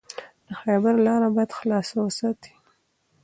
د خیبر لاره باید خلاصه وساتئ.